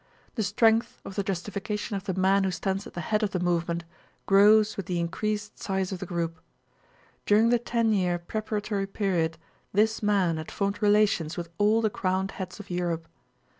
The strength of the justification of the man who stands at the head of the movement grows with the increased size of the group. During the ten year preparatory period this man had formed relations with all the crowned heads of Europe.